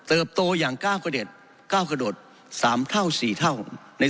โตอย่างก้าวกระโดดก้าวกระโดด๓เท่า๔เท่าใน